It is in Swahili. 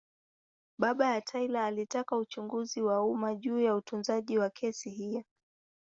Baba ya Taylor alitaka uchunguzi wa umma juu ya utunzaji wa kesi hiyo.